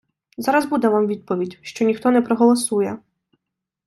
Зараз буде Вам відповідь, що ніхто не проголосує.